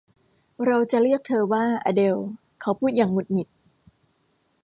เราจะเรียกเธอว่าอะเดลเขาพูดอย่างหงุดหงิด